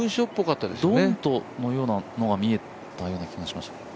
「ドント」のようなものが見えたようなきがしました。